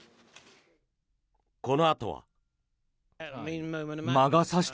このあとは。